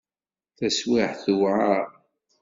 Taswiεt tewεer.